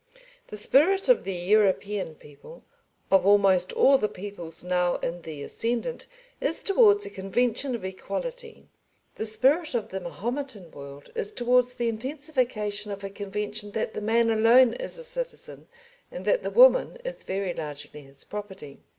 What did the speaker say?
The spirit of the European people, of almost all the peoples now in the ascendant, is towards a convention of equality; the spirit of the Mahometan world is towards the intensification of a convention that the man alone is a citizen and that the woman is very largely his property.